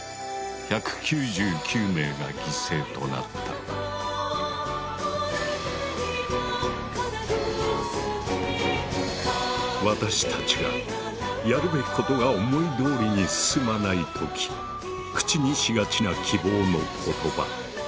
しかし雪中行軍参加者私たちがやるべきことが思いどおりに進まない時口にしがちな希望の言葉。